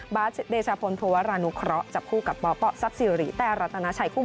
บาชเดชาพลภูวาราณุเคราะห์จับคู่กับป๊อปซับซิหรีแต่รัตนาไฉ